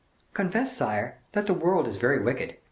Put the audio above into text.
"Confess, sire, that the world is very wicked.